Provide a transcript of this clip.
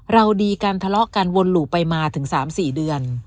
เราดีกันทะเลาะกันวนหลู่ไปมาถึง๓๔เดือน